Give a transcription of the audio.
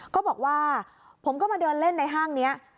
ก็บอกว่าผมก็มาเดินเล่นในห้างนี้